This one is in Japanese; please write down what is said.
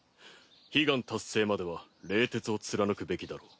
悲願達成までは冷徹を貫くべきだろう。